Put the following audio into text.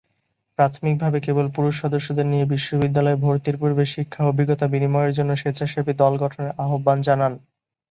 প্রাথমিকভাবে কেবল পুরুষ সদস্যদের নিয়ে বিশ্ববিদ্যালয়ে ভর্তির পূর্বে শিক্ষা অভিজ্ঞতা বিনিময়ের জন্য স্বেচ্ছাসেবী দল গঠনের আহ্বান জানান।